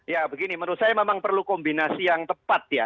ya begini menurut saya memang perlu kombinasi yang tepat ya